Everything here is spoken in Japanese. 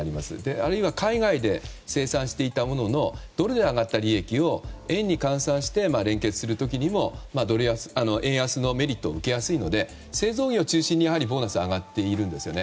あるいは海外で生産していたもののドルで上がった利益を円に換算して連結する時にも円安のメリットを受けやすいので、製造業を中心にボーナスは上がっているんですね。